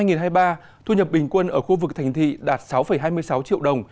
năm hai nghìn hai mươi ba thu nhập bình quân ở khu vực thành thị đạt sáu hai mươi sáu triệu đồng